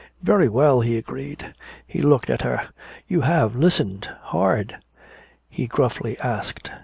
"Very well," he agreed. He looked at her. "You have listened hard?" he gruffly asked.